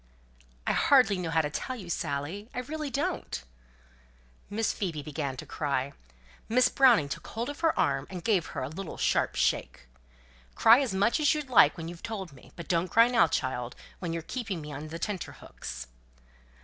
"I hardly know how to tell you, Dorothy. I really don't." Miss Phoebe began to cry; Miss Browning took hold of her arm, and gave her a little sharp shake. "Cry as much as you like when you've told me; but don't cry now, child, when you're keeping me on the tenter hooks."